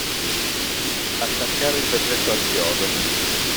Attaccare il berretto al chiodo.